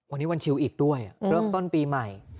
วันนี้วันชิวอีกด้วยเริ่มต้นปีใหม่